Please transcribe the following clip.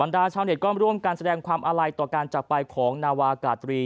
ได้ร่วมการแสดงความอะไลต่อการจากไปของหนาวากาตรี